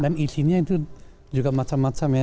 dan isinya itu juga macam macam ya